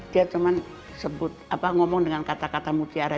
dia cuma ngomong dengan kata kata mutiara